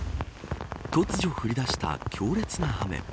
突如降りだした強烈な雨。